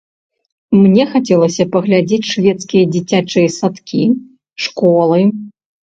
Мне хацелася паглядзець шведскія дзіцячыя садкі, школы.